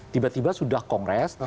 tiba tiba sudah kongres